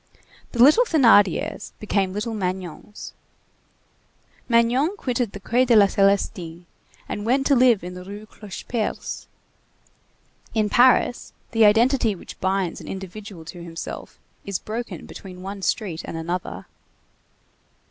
The little Thénardiers became little Magnons. Magnon quitted the Quai des Célestins and went to live in the Rue Clocheperce. In Paris, the identity which binds an individual to himself is broken between one street and another.